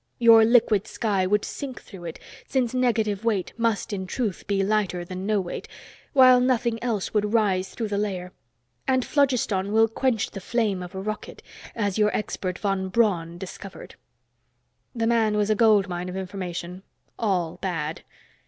Your liquid sky would sink through it, since negative weight must in truth be lighter than no weight, while nothing else would rise through the layer. And phlogiston will quench the flame of a rocket, as your expert von Braun discovered." The man was a gold mine of information, all bad.